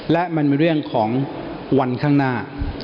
และมันเป็นเรื่องของวันข้างหน้า